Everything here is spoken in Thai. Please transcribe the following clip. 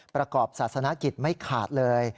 ประกอบศาสนกิจไม่ขาดเลย